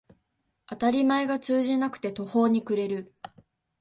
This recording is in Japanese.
当たり前が通じなくて途方に暮れる